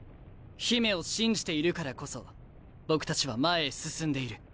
姫を信じているからこそ僕たちは前へ進んでいる。